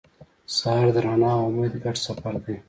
سهار د رڼا او امید ګډ سفر دی.